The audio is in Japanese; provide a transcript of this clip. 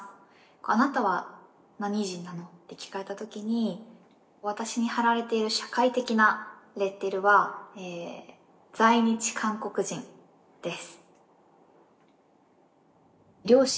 「あなたは何人なの？」って聞かれたときに私に貼られている社会的なレッテルは「在日韓国人」です。